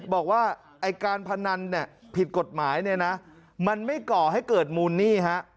บอกว่าการพนันผิดกฎหมายมันไม่ก่อให้เกิดมูลหนี้